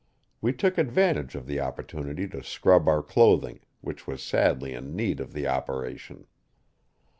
We took advantage of the opportunity to scrub our clothing, which was sadly in need of the operation.